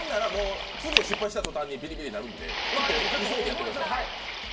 次失敗した途端にビリビリなるんで急いでやってください。